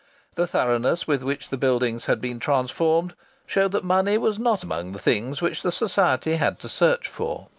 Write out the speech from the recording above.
The thoroughness with which the buildings had been transformed showed that money was not among the things which the Society had to search for.